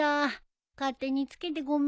勝手に付けてごめんね。